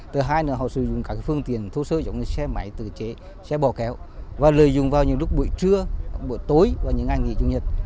thứ hai là họ sử dụng các phương tiện thô sơ giống như xe máy tự chế xe bỏ kéo và lợi dụng vào những lúc buổi trưa buổi tối và những ngày nghỉ chủ nhật